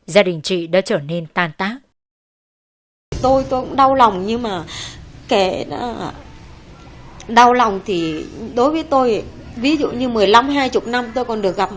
gia đình chị đã chạy